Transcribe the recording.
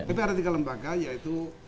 tapi ada tiga lembaga yaitu